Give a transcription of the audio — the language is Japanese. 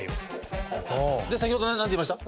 で先ほどなんて言いました？